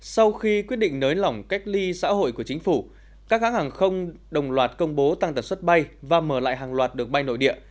sau khi quyết định nới lỏng cách ly xã hội của chính phủ các hãng hàng không đồng loạt công bố tăng tần suất bay và mở lại hàng loạt đường bay nội địa